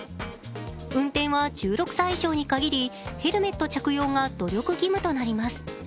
運転は１６歳以上に限り、ヘルメット着用が努力義務となります。